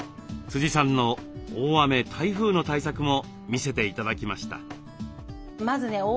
さんの大雨台風の対策も見せて頂きました。